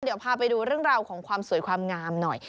เดี๋ยวพาไปดูเรื่องราวของความสวยความงามหน่อย